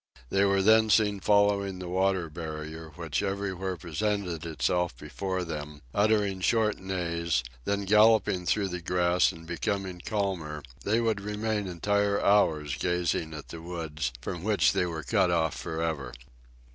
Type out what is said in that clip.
They were then seen following the water barrier which everywhere presented itself before them, uttering short neighs, then galloping through the grass, and becoming calmer, they would remain entire hours gazing at the woods, from which they were cut off for ever!